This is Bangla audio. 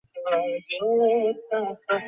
সেজন্যই তোমাকে ধন্যবাদ জানিয়েছি!